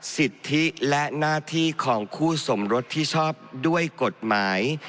สิทธิและหน้าที่ของคู่สมรสที่ชอบด้วยกฎหมาย